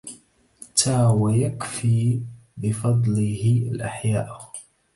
تى ويَكفي بفضله الأحياءَ